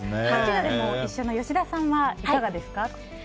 どちらも一緒の吉田さんはいかがですか？